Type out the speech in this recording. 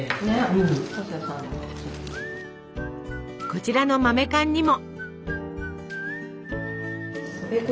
こちらの豆かんにも。